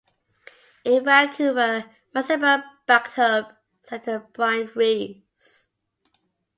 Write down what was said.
In Vancouver, Massenburg backed up center Bryant Reeves.